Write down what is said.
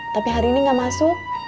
tapi hari ini gak masuk